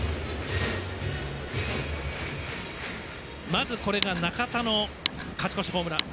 まず中田の勝ち越しホームラン。